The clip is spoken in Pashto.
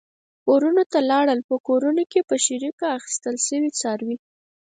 کورونو ته لاړل، په کورونو کې په شریکه اخیستل شوي څاروي.